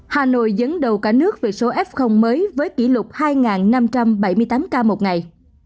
hà nội dẫn đầu cả nước về số f mới với kỷ lục hai năm trăm bảy mươi tám ca một ngày